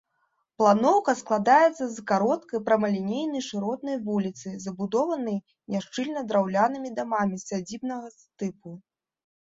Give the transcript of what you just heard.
Планоўка складаецца з кароткай прамалінейнай шыротнай вуліцы, забудаванай няшчыльна драўлянымі дамамі сядзібнага тыпу.